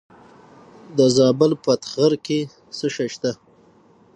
د زابل په اتغر کې څه شی شته؟